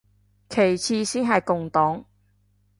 其次先係共黨